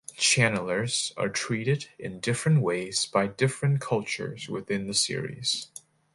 Channelers are treated in different ways by different cultures within the series.